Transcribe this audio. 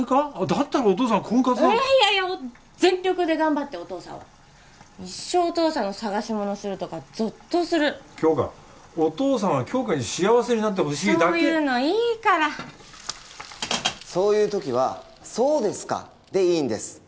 だったらお父さん婚活なんていやいやいやもう全力で頑張ってお父さんは一生お父さんの捜し物するとかぞっとする杏花お父さんは杏花に幸せになってほしいだけそういうのいいからそういう時は「そうですか」でいいんです